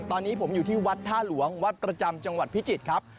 ตอนนี้ผมอยู่ที่วัดท่าหลวงวัดประจำจังหวัดพิจิตรครับ